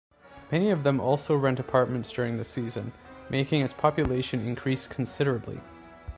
Many of them also rent apartments during this season, making its population increase considerably.